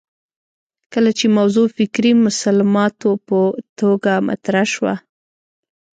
کله چې موضوع فکري مسلماتو په توګه مطرح شوه